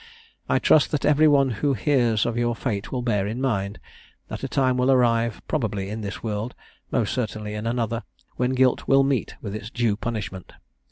I trust, that every one who hears of your fate will bear in mind, that a time will arrive, probably in this world, most certainly in another, when guilt will meet with its due punishment.